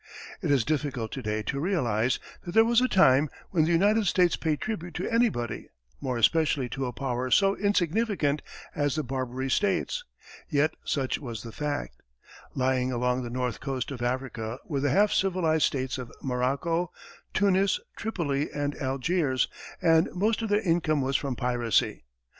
It is difficult to day to realize that there was a time when the United States paid tribute to anybody, more especially to a power so insignificant as the Barbary States. Yet such was the fact. Lying along the north coast of Africa were the half civilized states of Morocco, Tunis, Tripoli, and Algiers, and most of their income was from piracy.